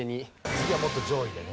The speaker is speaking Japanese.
次はもっと上位でね。